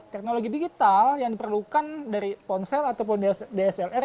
teknologi digital yang diperlukan dari ponsel ataupun dslr